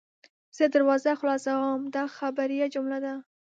زه دروازه خلاصوم – دا خبریه جمله ده.